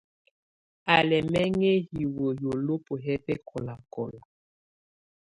Á lɛ́ ɛmɛŋɛ hiwǝ́, yolobo yɛ́ bɛ́kɔlakɔla.